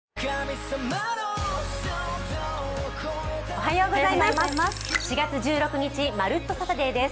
おはようございます。